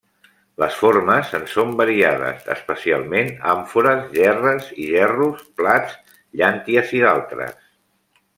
Les formes en són variades, especialment àmfores, gerres i gerros, plats, llànties i d'altres.